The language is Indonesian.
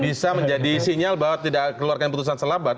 bisa menjadi sinyal bahwa tidak keluarkan putusan selamat